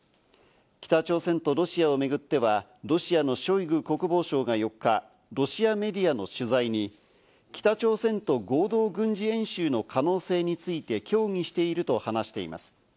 北朝鮮とロシアを巡っては、ロシアのショイグ国防相が４日、ロシアメディアの取材に北朝鮮と合同軍事演習の可能性について協議していると話しています。